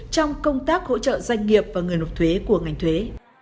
trong công tác hỗ trợ doanh nghiệp và người nộp thuế của ngành thuế